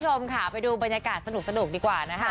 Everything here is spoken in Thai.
คุณผู้ชมค่ะไปดูบรรยากาศสนุกดีกว่านะคะ